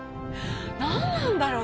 何なんだろう？